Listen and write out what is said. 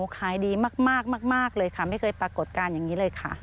ขายดีมากเลยค่ะไม่เคยปรากฏการณ์อย่างนี้เลยค่ะ